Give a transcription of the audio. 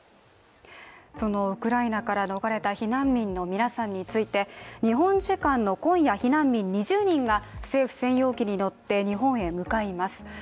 そのウクライナから逃れた避難民の皆さんについて、日本時間の今夜、避難民２０人が政府専用機に乗って日本へ向かいます。